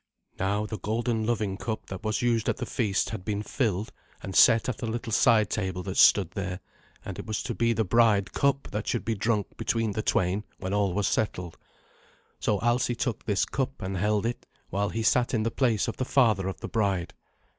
Now the golden loving cup that was used at the feasts had been filled and set at a little side table that stood there, and it was to be the bride cup that should be drunk between the twain when all was settled. So Alsi took this cup and held it, while he sat in the place of the father of the bride.